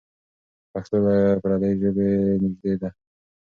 پښتو له پردۍ ژبې نږدې ده.